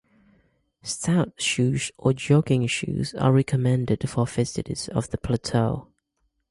Stout shoes or jogging shoes are recommended for visitors to the plateau.